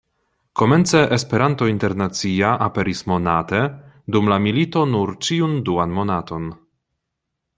Komence "Esperanto Internacia" aperis monate, dum la milito nur ĉiun duan monaton.